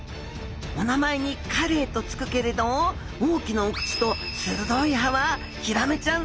お名前にカレイと付くけれど大きなお口と鋭い歯はヒラメちゃん